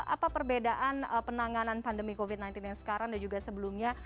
apa perbedaan penanganan pandemi covid sembilan belas yang sekarang dan juga sebelumnya